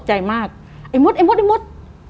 ไอ้มดไอ้มดไอ้มด